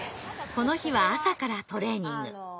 この日は朝からトレーニング。